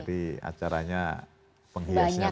jadi acaranya penghiasnya banyak